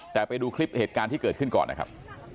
แต่ไปดูคลิปเหตุการณ์ที่เกิดขึ้นก่อนนะครับ